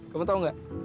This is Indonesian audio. kamu tau gak